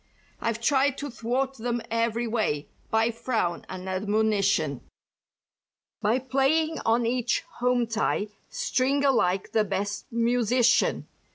"I've tried to thwart them every way—by frown and admonition; "By playing on each 'home tie' string alike the best musician.